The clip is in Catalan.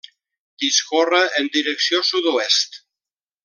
Discorre en direcció sud-oest.